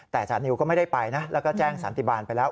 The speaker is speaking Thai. แต่จานิวก็ไม่ได้ไปนะแล้วก็แจ้งสันติบาลไปแล้ว